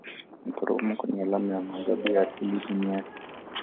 maporomoko ni alama ya maajabu ya asili duniani